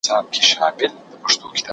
ښوونه انساني ده.